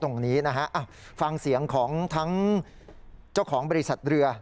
ก็คือโป๊ะนี้เป็นโป๊ะสำหรับเทียบเรือของเรือด่วนเจ้าพระยาเขาหรือเปล่า